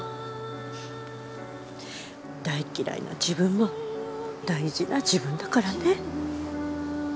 大嫌いな自分も大事な自分だからね。